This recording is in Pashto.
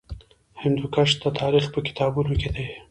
هندوکش د تاریخ په کتابونو کې دی.